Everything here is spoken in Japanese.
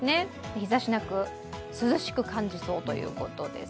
日ざしなく涼しく感じそうということです。